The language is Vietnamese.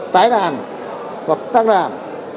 trái đàn hoặc tăng đàn